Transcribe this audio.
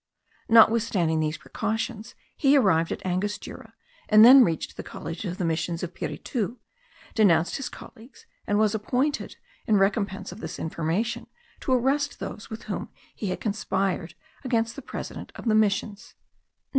Notwithstanding these precautions, he arrived at Angostura, and then reached the college of the missions of Piritu, denounced his colleagues, and was appointed, in recompense of this information, to arrest those with whom he had conspired against the president of the missions.